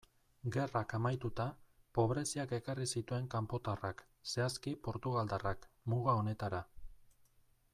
Gerrak amaituta, pobreziak ekarri zituen kanpotarrak, zehazki portugaldarrak, muga honetara.